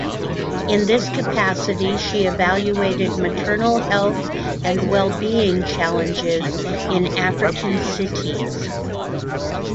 In this capacity she evaluated maternal health and well being challenges in African cities.